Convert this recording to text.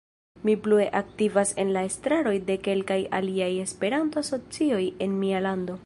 Mi plue aktivas en la estraroj de kelkaj aliaj Esperanto asocioj en mia lando.